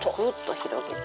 広げて。